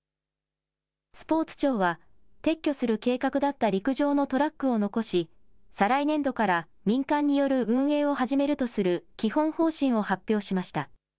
スポーツ庁は撤去する計画だった陸上のトラックを残し再来年度から民間による運営を始めるとする基本方針を発表しました。